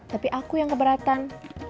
tapi aku yang keberatan